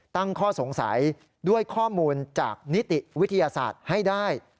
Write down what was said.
ตั้งข้อสงสัยด้วยข้อมูลจากนิติวิทยาศาสตร์ให้ได้